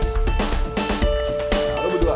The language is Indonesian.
nah lo berdua